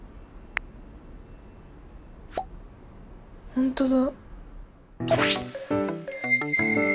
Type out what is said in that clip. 本当だ。